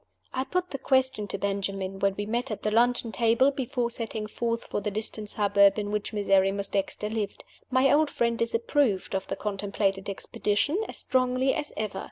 I put the question to Benjamin when we met at the luncheon table before setting forth for the distant suburb in which Miserrimus Dexter lived. My old friend disapproved of the contemplated expedition as strongly as ever.